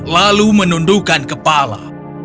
lalu menundukan kepala